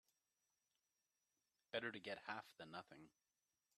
Better to get half than nothing.